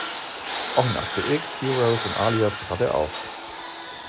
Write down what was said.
Auch in "Akte X", "Heroes" und "Alias" trat er auf.